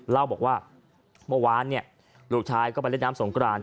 เล่าบอกว่าเมื่อวานลูกชายก็ไปเล่นน้ำสงกราน